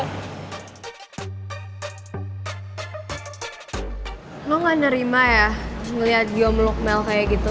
lu gak nerima ya ngeliat gio meluk mel kayak gitu